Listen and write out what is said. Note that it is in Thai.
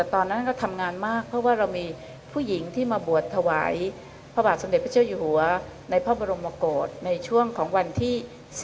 ตอนนั้นก็ทำงานมากเพราะว่าเรามีผู้หญิงที่มาบวชถวายพระบาทสมเด็จพระเจ้าอยู่หัวในพระบรมโกศในช่วงของวันที่๔